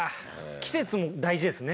季節も大事ですね